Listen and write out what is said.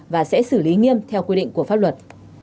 và sẽ xử lý nghiêm theo quy định của pháp luật